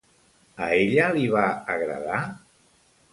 A ella li va agradar?